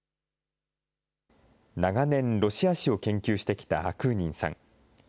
長年、ロシア史を研究してきたアクーニンさん。